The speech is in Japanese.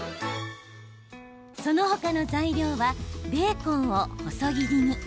その他の材料はベーコンを細切りに。